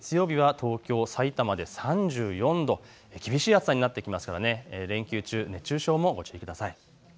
月曜日は東京、さいたまで３４度厳しい暑さになってきますから連休中、熱中症もご注意ください。